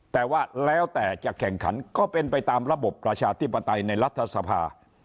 แต่ว่าแล้วแต่จะแข่งขันก็เป็นไปตามระบบประชาธิปไตยในรัฐสภา